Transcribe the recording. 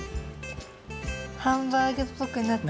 ハンバーグっぽくなってきた。